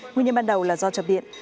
nguyên nhân ban đầu là do chập điện